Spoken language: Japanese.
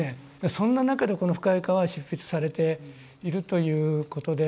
そんな中でこの「深い河」は執筆されているということで。